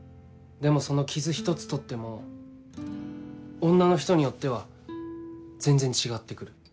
でもその傷ひとつとっても女の人によっては全然違って来る。